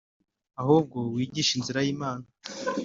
ahubwo wigisha inzira y Imana